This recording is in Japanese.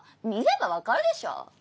見れば分かるでしょ